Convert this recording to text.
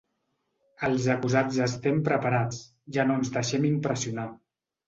Els acusats estem preparats, ja no ens deixem impressionar.